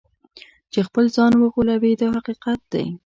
چې خپل ځان وغولوي دا حقیقت دی.